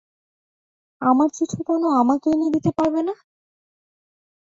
আমার চিঠি কেন আমাকে এনে দিতে পারবে না?